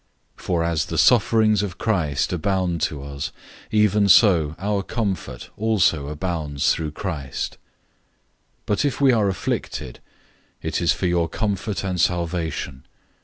001:005 For as the sufferings of Christ abound to us, even so our comfort also abounds through Christ. 001:006 But if we are afflicted, it is for your comfort and salvation.